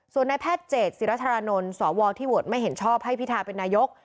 ส่วนในแพทย์เจษศิรัชรานนท์สวที่โหวตไม่เห็นชอบให้พิทาเป็นนายก